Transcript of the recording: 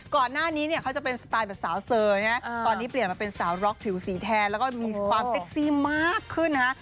ก่อนหน้านี้เนี่ยเขาจะเป็นสไตล์แบบสาวเซอร์นะตอนนี้เปลี่ยนมาเป็นสาวร็อกผิวสีแทนแล้วก็มีความเซ็กซี่มากขึ้นนะฮะ